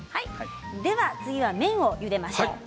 では、麺をゆでましょう。